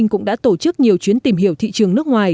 cũng đã tổ chức nhiều chuyến tìm hiểu thị trường nước ngoài